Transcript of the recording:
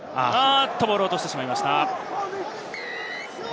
ボールを落としてしまいました。